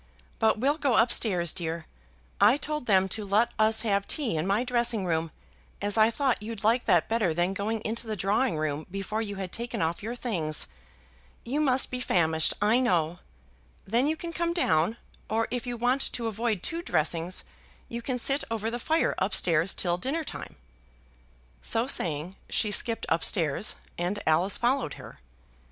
But we'll go up stairs, dear. I told them to let us have tea in my dressing room, as I thought you'd like that better than going into the drawing room before you had taken off your things. You must be famished, I know. Then you can come down, or if you want to avoid two dressings you can sit over the fire up stairs till dinner time." So saying she skipped up stairs and Alice followed her.